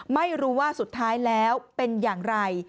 ไม่รู้ว่าสุดท้ายแล้วเป็นอย่างไร